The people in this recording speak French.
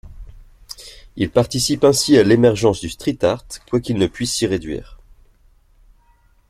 Il participe ainsi à l'émergence du Street art, quoiqu'il ne puisse s'y réduire.